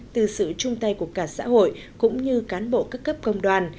từ sự chung tay của cả xã hội cũng như cán bộ các cấp công đoàn